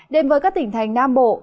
đến với các tỉnh thành nam bộ